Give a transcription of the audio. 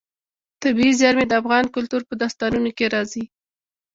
طبیعي زیرمې د افغان کلتور په داستانونو کې راځي.